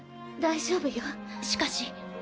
「大丈夫よ」「しかし」